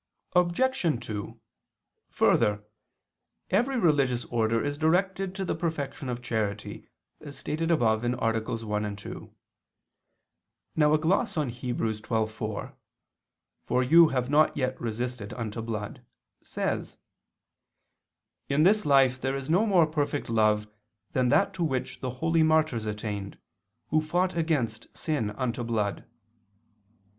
Obj. 2: Further, every religious order is directed to the perfection of charity, as stated above (AA. 1, 2). Now a gloss on Heb. 12:4, "For you have not yet resisted unto blood," says: "In this life there is no more perfect love than that to which the holy martyrs attained, who fought against sin unto blood."